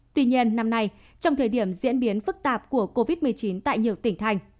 tuy nhiên năm nay trong thời điểm diễn biến phức tạp của covid một mươi chín tại nhiều tỉnh thành